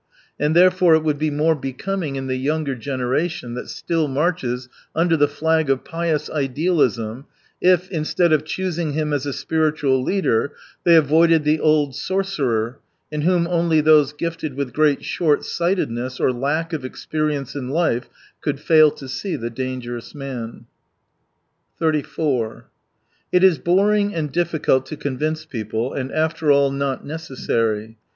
And, therefore, it would be more becoming in the yom^er generation that still marches under the Sag of pious idealism if, instead of choosing him as a spiritual leader, they avoided the old sorcerer, in whom only those gifted with great short sightedness or lack of experience in life could fail to see the dangerous man. 34 It is boring and difficult to convince people, and after all, not necessary.